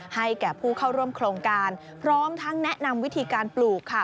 ให้แก่ผู้เข้าร่วมโครงการพร้อมทั้งแนะนำวิธีการปลูกค่ะ